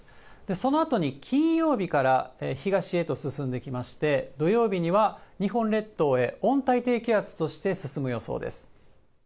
そのあとに金曜日から東へと進んできまして、土曜日には日本列島へ、温帯低気圧として進む予想です。